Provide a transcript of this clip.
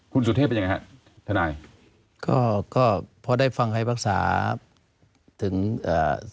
คุณสุเทพเป็นยังไงฮะทนายก็พอได้ฟังไขยบรรคศาสตร์ถึงอ่า